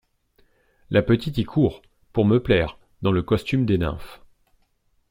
La petite y court, pour me plaire, dans le costume des nymphes.